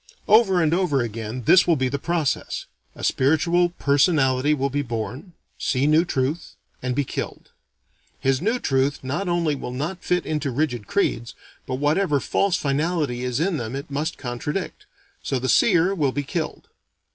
Over and over again, this will be the process: A spiritual personality will be born; see new truth; and be killed. His new truth not only will not fit into too rigid creeds, but whatever false finality is in them it must contradict. So, the seer will be killed.